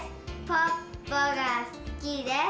ポッポがすきです。